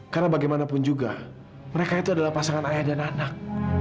karena bagaimanapun juga mereka itu adalah pasangan ayah dan anak